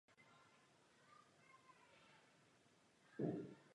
Ve skladu našel správný náhradní díl a závadu tak odstranil.